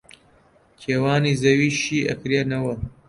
کێوانی زەوی شی ئەکرێنەوە